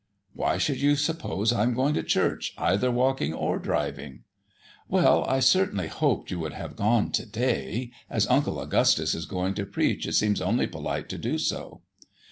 "Why should you suppose I am going to church, either walking or driving?" "Well, I certainly hoped you would have gone to day; as Uncle Augustus is going to preach it seems only polite to do so."